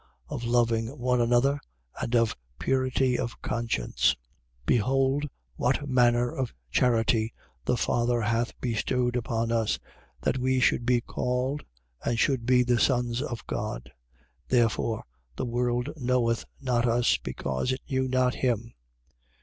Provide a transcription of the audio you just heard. Of loving one another and of purity of conscience. 3:1. Behold what manner of charity the Father hath bestowed upon us, that we should be called and should be the sons of God. Therefore the world knoweth not us, because it knew not him.